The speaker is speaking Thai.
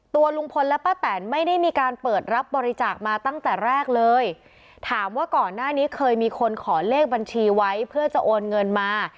ตัวลุงพลและป้าแตนไม่ได้มีการเปิดรับบริจาคมาตั้งแต่แรกเลยถามว่าก่อนหน้านี้เคยมีคนขอเลขบัญชีไว้เพื่อจะโอนเงินมา